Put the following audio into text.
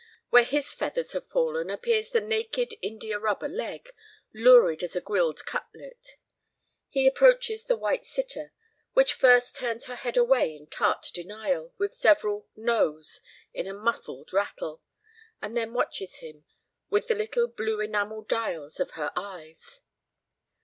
Where his feathers have fallen appears the naked india rubber leg, lurid as a grilled cutlet. He approaches the white sitter, which first turns her head away in tart denial, with several "No's" in a muffled rattle, and then watches him with the little blue enamel dials of her eyes.